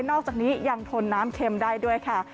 อกจากนี้ยังทนน้ำเข็มได้ด้วยค่ะ